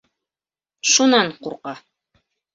Шунан ҡурҡа.